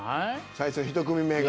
最初１組目が。